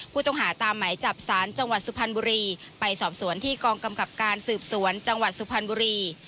ผู้ต้องหาตามหมายจับสารจังหวัดสุพรรณบุรีไปสอบสวนที่กองกำกับการสืบสวนจังหวัดสุพรรณบุรี